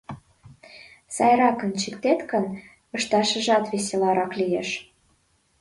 Сайракын чиктет гын, ышташыжат веселарак лиеш.